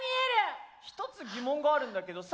一つ疑問があるんだけどさ。